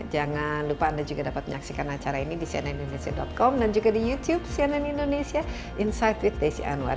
jangan lupa anda juga dapat menyaksikan acara ini di cnnindonesia com dan juga di youtube cnn indonesia insight with desi anwar